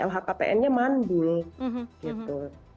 lhkpn nya mandul gitu